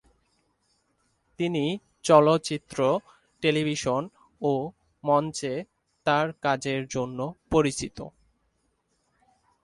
তিনি চলচ্চিত্র, টেলিভিশন ও মঞ্চে তার কাজের জন্য পরিচিত।